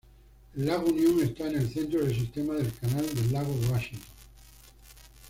El lago Union está en el centro del sistema del Canal del lago Washington.